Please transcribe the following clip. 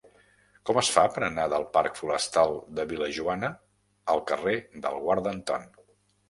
Com es fa per anar del parc Forestal de Vil·lajoana al carrer del Guarda Anton?